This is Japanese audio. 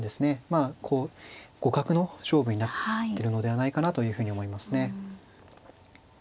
まあこう互角の勝負になってるのではないかなというふうに思いますね。